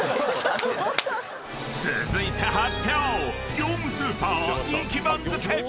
［続いて発表］